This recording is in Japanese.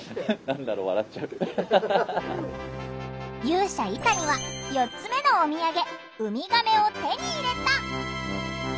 勇者イタニは４つ目のおみやげウミガメを手に入れた。